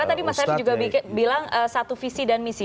karena tadi mas arief juga bilang satu visi dan misi